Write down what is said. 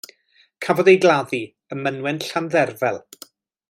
Cafodd ei gladdu ym mynwent Llandderfel.